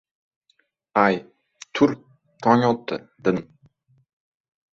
— Ay, tur, tong otdi, — dedim.